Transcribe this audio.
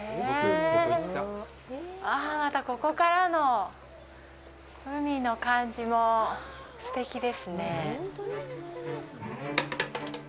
また、ここからの海の感じもすてきですね。